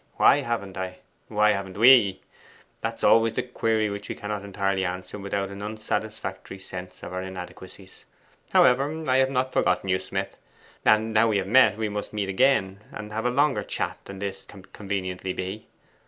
Why haven't I? why haven't we? That's always the query which we cannot clearly answer without an unsatisfactory sense of our inadequacies. However, I have not forgotten you, Smith. And now we have met; and we must meet again, and have a longer chat than this can conveniently be.